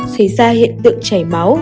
xảy ra hiện tượng chảy máu